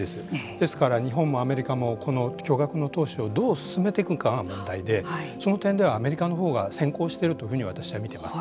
ですから日本もアメリカもこの巨額の投資をどう進めていくかが問題でその点ではアメリカのほうが先行してるというふうに私は見ています。